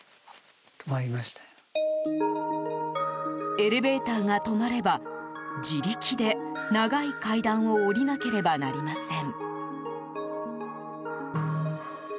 エレベーターが止まれば自力で長い階段を下りなければなりません。